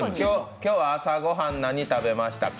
今日は朝ごはん何食べましたか？